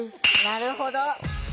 なるほど。